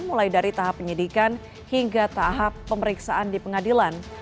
mulai dari tahap penyidikan hingga tahap pemeriksaan di pengadilan